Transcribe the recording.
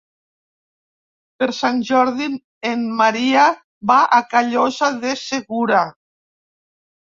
Per Sant Jordi en Maria va a Callosa de Segura.